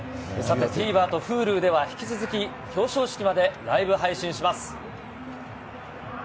ＴＶｅｒとＨｕｌｕでは、引き続き表彰式までライブ配信します。